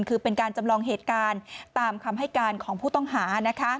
คือเป็นการจำลองเหตุการณ์ตามคำให้การของผู้ต้องหา